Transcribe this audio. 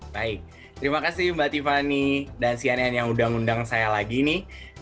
baik terima kasih mbak tiffany dan sianian yang sudah mengundang saya lagi nih